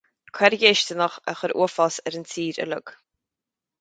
Coir dhéistineach a chuir uafás ar an tír uile